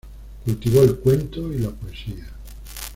Cultivó el cuento y la poesía.